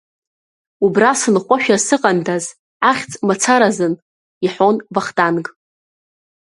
Убра сынхошәа сыҟандаз, ахьӡ мацаразын, — иҳәон Вахтанг.